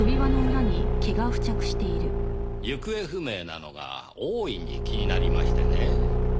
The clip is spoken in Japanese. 行方不明なのが大いに気になりましてね。